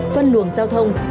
phân luồng giao thông